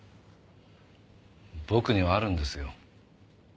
僕にはあるんですよ。